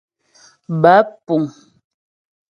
Báp puŋ.